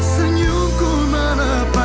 jangan lupa hati hati